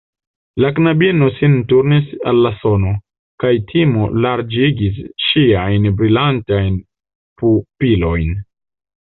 La knabino sin turnis al la sono, kaj timo larĝigis ŝiajn brilantajn pupilojn.